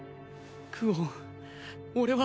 クオン俺は。